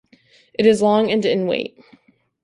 It is long and in weight.